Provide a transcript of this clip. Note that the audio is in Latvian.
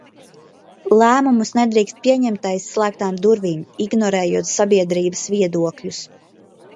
Lēmumus nedrīkst pieņemt aiz slēgtām durvīm, ignorējot sabiedrības viedokļus.